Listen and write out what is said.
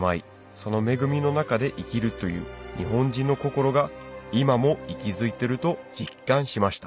その恵みの中で生きるという日本人の心が今も息づいてると実感しました